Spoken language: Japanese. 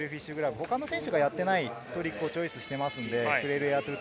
他の選手がやっていないトリックをチョイスしています。